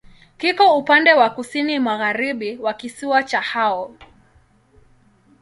Kiko upande wa kusini-magharibi wa kisiwa cha Hao.